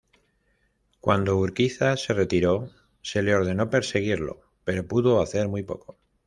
Cuando Urquiza se retiró, se le ordenó perseguirlo, pero pudo hacer muy poco.